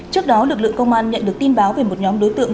trước đó lực lượng công an nhận được tin báo về một nhóm đối tượng